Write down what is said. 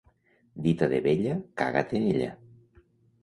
Dita de vella, caga't en ella.